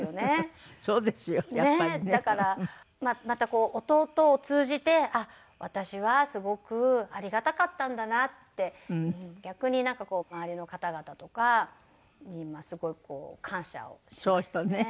だからまた弟を通じてあっ私はすごくありがたかったんだなって逆に周りの方々とかにすごい感謝をしましたね。